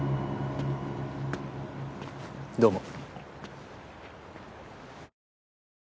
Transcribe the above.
どうも。